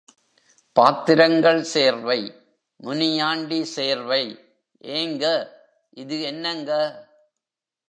பாத்திரங்கள் சேர்வை, முனியாண்டி சேர்வை ஏங்க, இது என்னங்க.